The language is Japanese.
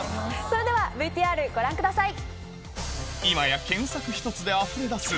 それではＶＴＲご覧ください。